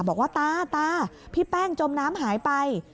บอกว่าตาตาพี่แป้งจมน้ำหายไป